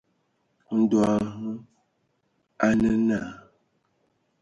Ndɔ hm a nə naa.